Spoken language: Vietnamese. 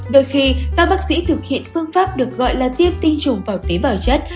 đôi khi các bác sĩ thực hiện phương pháp được gọi là tiêm tinh trùng vào tế bào chất